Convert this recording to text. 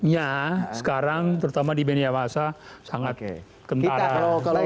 ya sekarang terutama di beniawasa sangat kentara